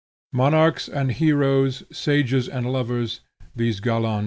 Monarchs and heroes, sages and lovers, these gallants are not.